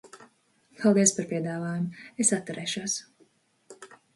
Paldies par piedāvājumu, es atturēšos.